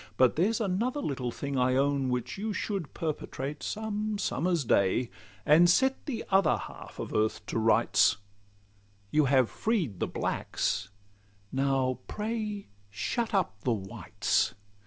But there's another little thing, I own, Which you should perpetrate some summer's day, And set the other halt of earth to rights; You have freed the blacks—now pray shut up the whites.